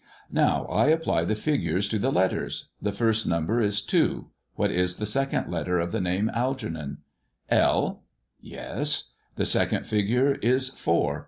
Now I apply the figures to the letters. The first number is two. What is the second letter of the name Algernon 'i "" L." " Yes. The second figure is four.